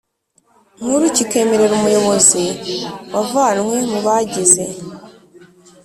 Nkuru kikemerera umuyobozi wavanwe mu bagize